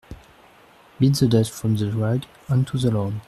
Beat the dust from the rug onto the lawn.